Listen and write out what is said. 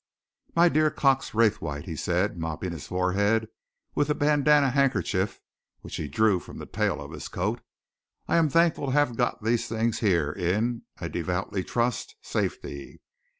"My dear Cox Raythwaite!" he said, mopping his forehead with a bandanna handkerchief which he drew from the tail of his coat. "I am thankful to have got these things here in I devoutly trust! safety.